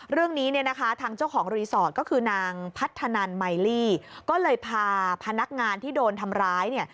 เรื่องนี้เนี่ยนะคะทางเจ้าของรีสอร์ทก็คือนางพัฒนันไมลี่ก็เลยพาพนักงานที่โดนทำร้ายเนี่ย